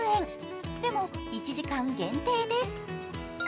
でも、１時間限定です。